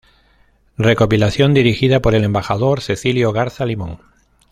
Recopilación dirigida por el Embajador Cecilio Garza Limón.